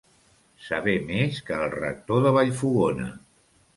Saber més que el rector de Vallfogona.